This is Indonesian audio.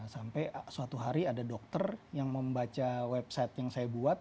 sampai suatu hari ada dokter yang membaca website yang saya buat